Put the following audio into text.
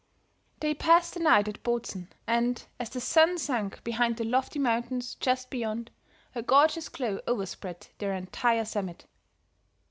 They passed the night at Botzen, and, as the sun sunk behind the lofty mountains just beyond, a gorgeous glow overspread their entire summit.